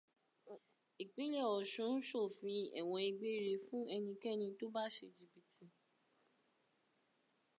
Ìpínlẹ̀ Ọ̀ṣun ṣòfin ẹ̀wọ̀n gbére fún ẹnikẹ́ni tọ́ bá ṣe jìbìtì.